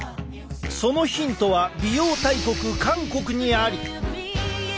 そのヒントは美容大国韓国にあり。